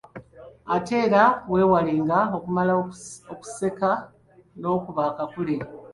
Ate era weewalenga okumala okuseka n’okuba akakule.